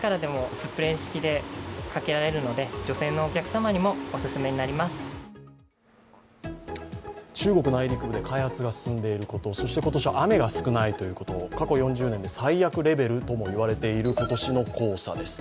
そして、化粧する女性にうれしいのが中国内陸部で開発が進んでいることそして今年、雨が少ないということ過去４０年で最悪レベルとも言われている今年の黄砂です。